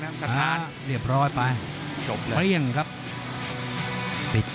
โหโหโหโห